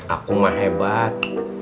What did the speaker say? aku mah hebat